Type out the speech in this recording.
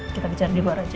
kita bicara di luar aja ya